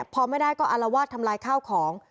พอไม่ได้ก็อารวาสทำลายข้าวของ